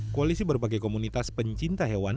koalisi berbagai komunitas pencinta hewan